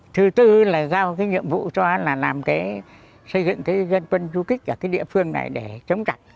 thứ tư là giao cái nhiệm vụ cho là làm cái xây dựng cái dân quân du kích ở cái địa phương này để chống chặt